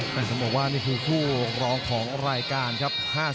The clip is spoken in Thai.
เป็นสมบัติว่านี่คือคู่รองของรายการครับ